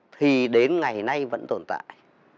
thì đến ngày nay vẫn tồn tại